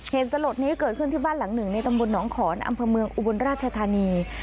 เหตุสลดนี้เกิดขึ้นที่บ้านหลังหนึ่งในตำบลหนองขอนอำเภอเมืองอุบลราชธานี